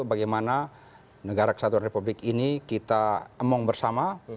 bagaimana negara kesatuan republik ini kita emong bersama